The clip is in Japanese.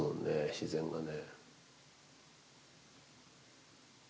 自然がね。